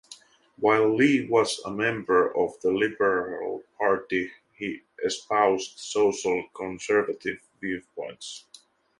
While Lee was a member of the Liberal party, he espoused social conservative viewpoints.